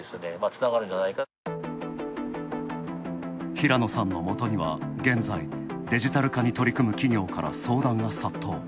平野さんのもとには現在、デジタル化に取り組む企業から相談が殺到。